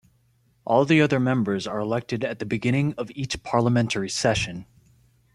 All the other members are elected at the beginning of each parliamentary session.